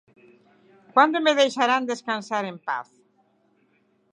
¿Cando me deixarán descansar en paz?